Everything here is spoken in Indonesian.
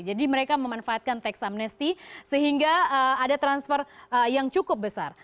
jadi mereka memanfaatkan tax amnesty sehingga ada transfer yang cukup besar